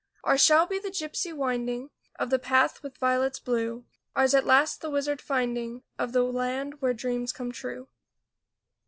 Ours shall be the gypsy winding Of the path with violets blue, Ours at last the wizard finding Of the land where dreams come true.